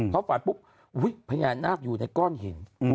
เขาฝันปุ๊บพญานาคอยู่ในก้อนหิน